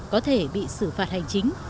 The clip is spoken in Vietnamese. có thể bị xử phạt hành chính